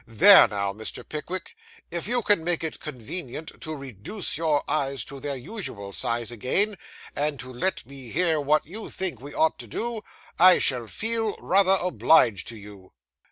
There now, Mr. Pickwick, if you can make it convenient to reduce your eyes to their usual size again, and to let me hear what you think we ought to do, I shall feel rather obliged to you!